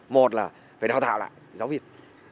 một là phải đào tạo lại giáo viên